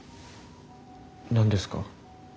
何ですか？